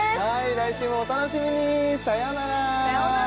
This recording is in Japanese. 来週もお楽しみにさようならさようなら